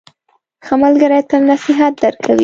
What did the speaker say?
ښه ملګری تل نصیحت درکوي.